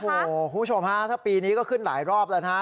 โอ้โหคุณผู้ชมฮะถ้าปีนี้ก็ขึ้นหลายรอบแล้วนะฮะ